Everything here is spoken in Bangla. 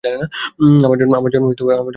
আমার জন্ম এভাবেই হয়েছে।